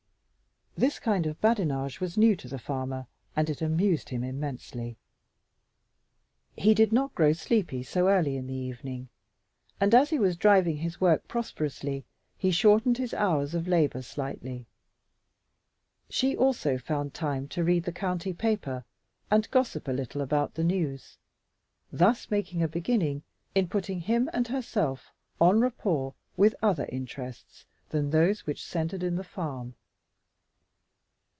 This kind of badinage was new to the farmer, and it amused him immensely. He did not grow sleepy so early in the evening, and as he was driving his work prosperously he shortened his hours of labor slightly. She also found time to read the county paper and gossip a little about the news, thus making a beginning in putting him and herself en rapport with other interests than those which centered in the farm.